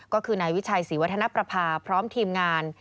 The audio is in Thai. ก็คือนายวิชัยศรีวัฒนประพาพร้อมทีมงาน